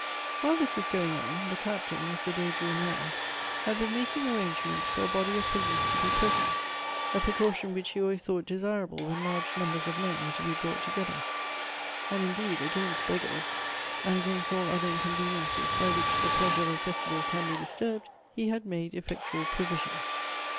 While this was going on, the Captain, as the day drew nearer, had been making arrangements for a body of po lice to be present — a precaution which he always thought desirable when large numbers of men are to be brought together. And, indeed, against beggars, and against all other inconveniences by which the pleasure of a festival can be disturbed, he had made effectual provision.